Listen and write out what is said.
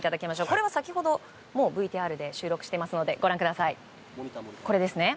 これは先ほどＶＴＲで収録していますのでご覧ください。